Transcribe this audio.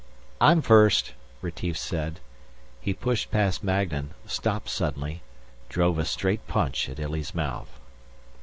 "I'm first," Retief said. He pushed past Magnan, stopped suddenly, drove a straight punch at Illy's mouth.